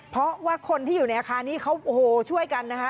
เพราะว่าคนที่อยู่ในอาคารนี้เขาโอ้โหช่วยกันนะคะ